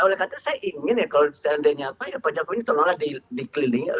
oleh karena saya ingin ya kalau seandainya pak jokowi ini tolonglah dikelilingi oleh orang lain